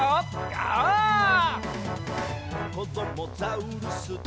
「こどもザウルス